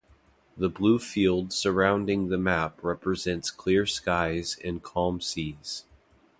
The blue field surrounding the map represents clear skies and calm seas.